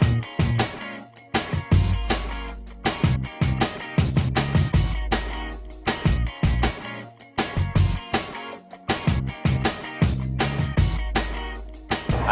เราก็ไปเจาะที่ร้านเลยครับค่ะครับครับเชิญครับ